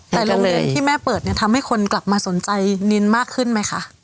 แต่โรงเรียนที่แม่เปิดเนี่ยทำให้คนกลับมาสนใจนินมากขึ้นไหมคะ